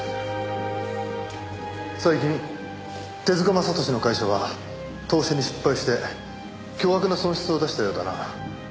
最近手塚正敏の会社は投資に失敗して巨額な損失を出したようだな。